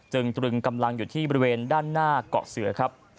ตรึงกำลังอยู่ที่บริเวณด้านหน้าเกาะเสือครับ